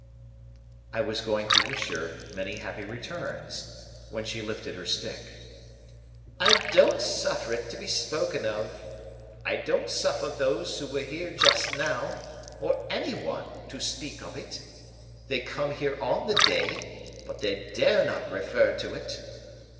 I was going to wish her many happy returns, when she lifted her stick. "I don't suffer it to be spoken of. I don't suffer those who were here just now, or any one to speak of it. They come here on the day, but they dare not refer to it."